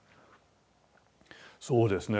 そうですね